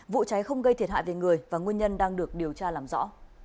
vụ cháy không gây thiệt hại về người và nguyên nhân đang được điều tra làm rõ